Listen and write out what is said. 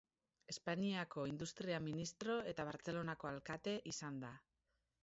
Espainiako industria ministro eta Bartzelonako alkate izan da.